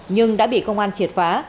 nhưng đã bị công an triệt phá